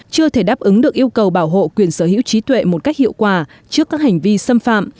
chưa thể đáp ứng được yêu cầu bảo hộ quyền sở hữu trí tuệ một cách hiệu quả trước các hành vi xâm phạm